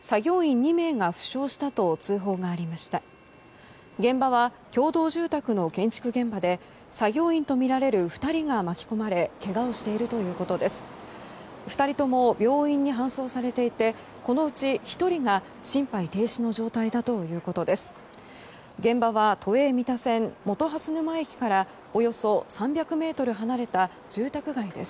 ２人とも病院に搬送されていてこのうち１人は心肺停止の状態だということです。